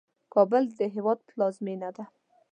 کابل د هیواد پلازمینه ده